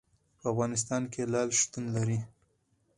په افغانستان کې لعل شتون لري.